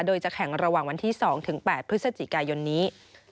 โดยจะแข่งระหว่างวันที่๒๘พฤศจิกายนนี้